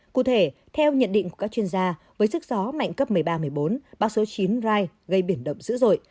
cụ thể theo nhận định của các chuyên gia với sức gió mạnh cấp một mươi ba một mươi bốn bão số chín rai gây biển động dữ dội